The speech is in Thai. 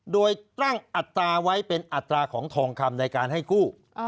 โดยตั้งอัตราไว้เป็นอัตราของทองคำในการให้กู้